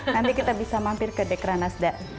nanti kita bisa mampir ke dekra nasda